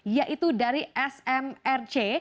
yaitu dari smrc